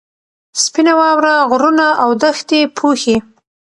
سپینه واوره غرونه او دښتې پوښي.